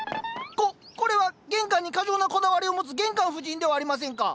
ここれは玄関に過剰なこだわりを持つ玄関夫人ではありませんか。